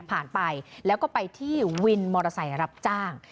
ไปแล้วก็ไปที่วินมอเตอร์ไซค์รับจ้าง